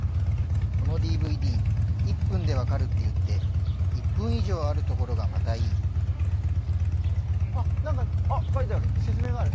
このＤＶＤ１分でわかるって言って１分以上あるところがまたいいあっ何か説明がある